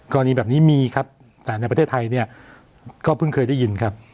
กรณีแบบนี้มีครับแต่ในประเทศไทยเนี่ยก็เพิ่งเคยได้ยินครับ